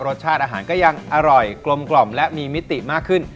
รสชาติอาหารก็ยังอร่อยกลมและมีมิติมากขึ้น